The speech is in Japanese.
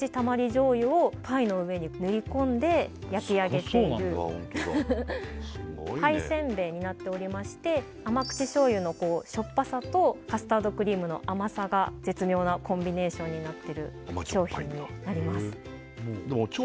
醤油をパイの上に塗り込んで焼き上げているすごそうなんかすごいねパイせんべいになっておりまして甘口醤油の塩っぱさとカスタードクリームの甘さが絶妙なコンビネーションになってる商品になります